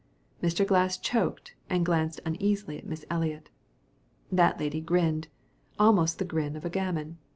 Mr. Glass choked and glanced uneasily at Miss Eliot. That lady grinned, almost the grin of a gamin.